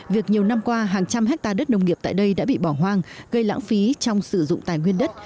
việc nhiều năm qua hàng trăm hectare đất nông nghiệp tại đây đã bị bỏ hoang gây lãng phí trong sử dụng tài nguyên đất